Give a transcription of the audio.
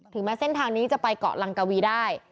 แม้เส้นทางนี้จะไปเกาะลังกวีได้